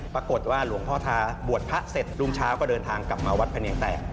ปรากฏว่าหลวงพ่อทาบวชพระเสร็จรุ่งเช้าก็เดินทางกลับมาวัดพะเนียงแตก